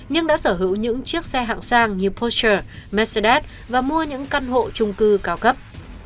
nhưng đã sở hữu những chiếc xe hạng sang như poster mercedes và mua những căn hộ trung cư cao cấp